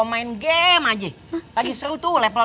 om main game aja lagi seru tuh level tujuh